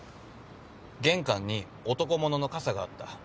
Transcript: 玄関に男物の傘があった。